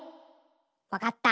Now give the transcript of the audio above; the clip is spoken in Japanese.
わかった。